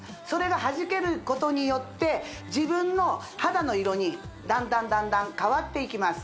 それがはじけることによって自分の肌の色にだんだんだんだん変わっていきます